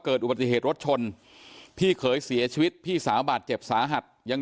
อุบัติเหตุรถชนพี่เขยเสียชีวิตพี่สาวบาดเจ็บสาหัสยัง